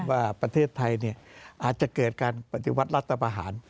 ว่าประเทศไทยอาจจะเกิดการปฏิวัติรัฐประหาร